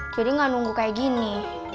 jadi gak nunggu kayak gini